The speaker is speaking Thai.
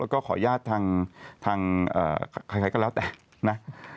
ก็ขออนุญาตทางใครก็แล้วแต่นะ